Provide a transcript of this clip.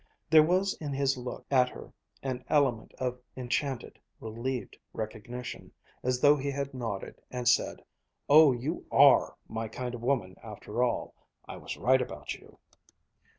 There was in his look at her an element of enchanted, relieved recognition, as though he had nodded and said: "Oh, you are my kind of a woman after all! I was right about you."